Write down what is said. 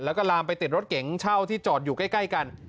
แล้วก็ลามไปติดรถเก๋งเช่าที่จอดอยู่ใกล้กัน